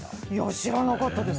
知らなかったです。